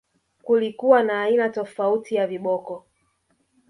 Kulikuwa na aina tofauti ya viboko